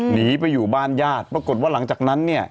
หนีไปอยู่บ้านญาติปรากฏว่าหลังจากนั้นเนี่ย